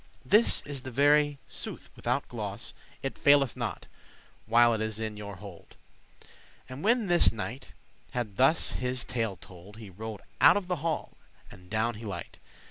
This is the very sooth, withoute glose;* *deceit It faileth not, while it is in your hold." And when this knight had thus his tale told, He rode out of the hall, and down he light.